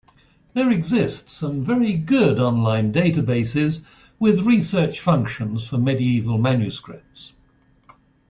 There exist some very good online databases with research functions for medieval manuscripts.